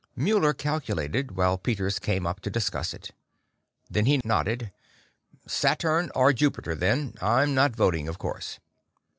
Muller calculated, while Peters came up to discuss it. Then he nodded. "Saturn or Jupiter, then. I'm not voting, of course.